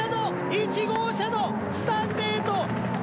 １号車のスタンレーと！